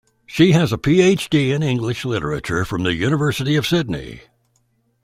She has a PhD in English Literature from the University of Sydney.